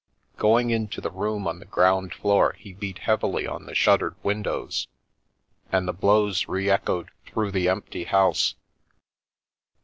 Going into the room on the ground floor, he beat heavily on the shuttered windows, and the blows re echoed through the empty house.